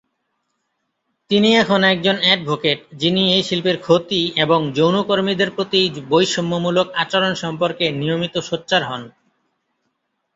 তিনি এখন একজন অ্যাডভোকেট যিনি এই শিল্পের ক্ষতি এবং যৌন কর্মীদের প্রতি বৈষম্যমূলক আচরণ সম্পর্কে নিয়মিত সোচ্চার হন।